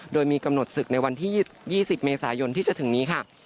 โดยมีกำหนดศึกในวันที่๒๐เมษายนที่จะถึงนี้ค่ะ